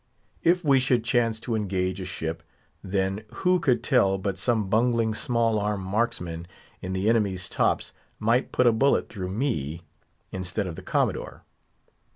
If we should chance to engage a ship, then, who could tell but some bungling small arm marks man in the enemy's tops might put a bullet through me instead of the Commodore?